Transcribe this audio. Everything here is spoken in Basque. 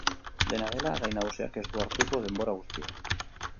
Dena dela, gai nagusiak ez du hartuko denbora guztia.